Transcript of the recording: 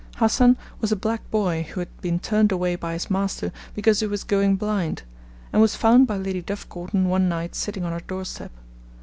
Hassan was a black boy, who had been turned away by his master because he was going blind, and was found by Lady Duff Gordon one night sitting on her doorstep.